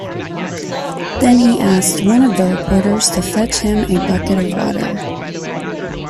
Then he asked one of the reporters to fetch him a bucket of water.